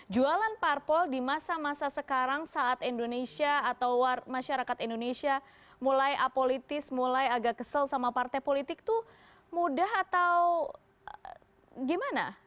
jualan parpol di masa masa sekarang saat indonesia atau masyarakat indonesia mulai apolitis mulai agak kesel sama partai politik itu mudah atau gimana